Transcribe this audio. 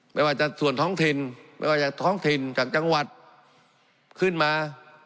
ไม่ว่าจะส่วนท้องถิ่นไม่ว่าจะท้องถิ่นจากจังหวัดขึ้นมา